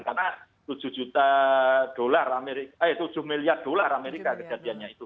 karena tujuh juta dolar amerika eh tujuh miliar dolar amerika kejadiannya itu